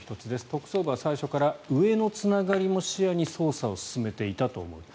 特捜部は最初から上のつながりも視野に捜査を進めていたと思う。